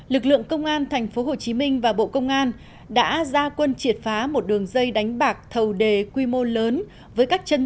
lực lượng công an tp hcm và bộ công an đã ra quân triệt phá một đường dây đánh bạc thầu đề quy mô lớn với các chân